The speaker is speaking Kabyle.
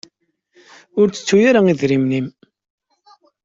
Ur tettu ara idrimen-im.